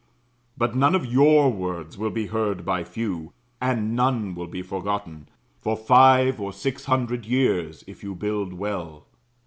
But none of your words will be heard by few, and none will be forgotten, for five or six hundred years, if you build well.